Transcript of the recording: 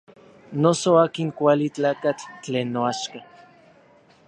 Noso akin kuali tlakatl tlen noaxka.